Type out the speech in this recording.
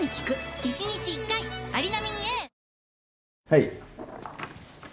はい。